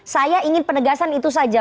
saya ingin penegasan itu saja